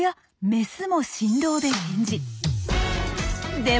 メスも振動で返事。